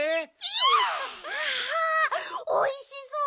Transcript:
わおいしそう！